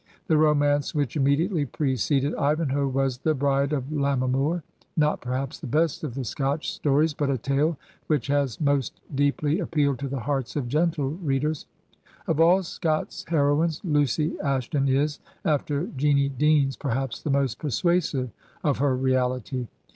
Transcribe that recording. The romance which immediately preceded "Ivanhoe" was "'The Bride of Lammermoor,'' not perhaps the best of the Scotch stories, but a tale which has most deeply appealed to the hearts of gentle readers. Of all Scott's heroines Lucy Ashton is, after Jeanie Deans, perhaps the most persuasive of her reality.